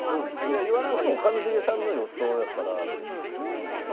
でも一茂さんの予想やから別に。